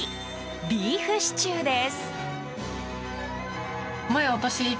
ビーフシチューです。